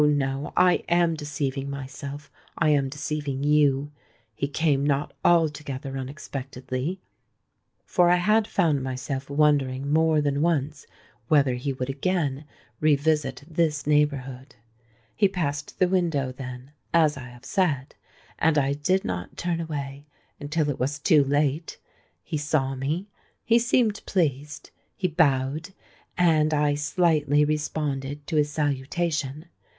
no—I am deceiving myself—I am deceiving you;—he came not altogether unexpectedly—for I had found myself wondering more than once whether he would again revisit this neighbourhood. He passed the window, then—as I have said; and I did not turn away until it was too late. He saw me—he seemed pleased: he bowed—and I slightly responded to his salutation.